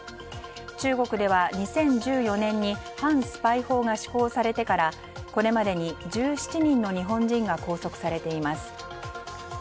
中国では２０１４年に反スパイ法が施行されてからこれまでに１７人の日本人が拘束されています。